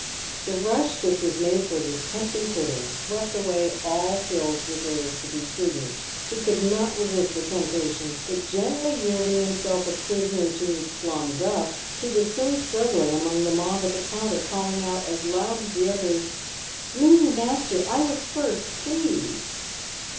The rush which was made for this tempting pudding swept away all Phil's resolves to be prudent. He could not resist the tempta tion, but gently yielding himself a prisoner to plum duff, he was soon struggling among the mob at the counter, calling out as loud as the others, " Me, master, I was first, please."